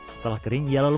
setelah kering ia lalu